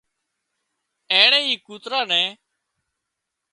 اينڻي اي ڪوترا نين